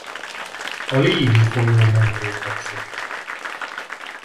A Liivi-folyó mentén fekszik.